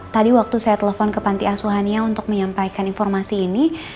tadi waktu saya telepon ke panti asuhania untuk menyampaikan informasi ini